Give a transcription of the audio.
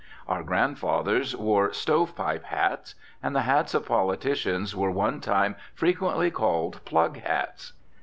Our grandfathers wore "stove pipe hats"; and the hats of politicians were one time frequently called "plug hats."